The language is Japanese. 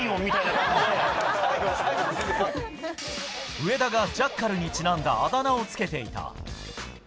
上田がジャッカルにちなんだ、あだ名をつけていた。